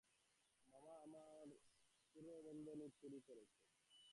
মামা, আমার উরূবন্ধনী চুরি করেছে।